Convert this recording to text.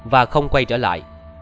và không quay trở lại